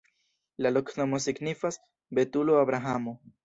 La loknomo signifas: betulo-Abrahamo.